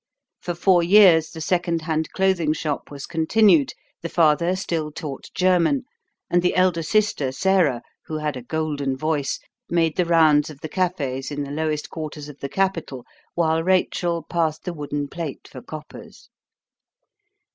For four years the second hand clothing shop was continued; the father still taught German; and the elder sister, Sarah, who had a golden voice, made the rounds of the cafes in the lowest quarters of the capital, while Rachel passed the wooden plate for coppers.